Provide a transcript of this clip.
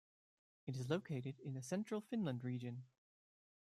It is located in the Central Finland region.